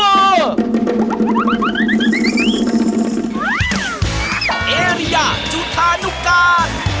เอเรียจุธานุกา